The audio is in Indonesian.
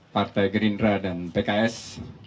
partai gerindra dan pks